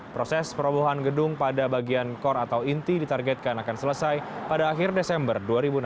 proses perobohan gedung pada bagian kor atau inti ditargetkan akan selesai pada akhir desember dua ribu enam belas